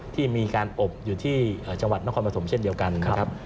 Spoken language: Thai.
ที่มีการอบอยู่ที่จังหวัดนครปฐมเช่นเดียวกันนะครับ